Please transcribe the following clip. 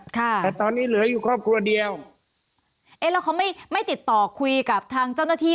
แต่ตอนนี้เหลืออยู่ครอบครัวเดียวเอ๊ะแล้วเขาไม่ไม่ติดต่อคุยกับทางเจ้าหน้าที่